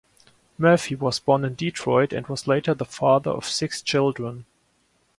Murphy was born in Detroit and was later the father of six children.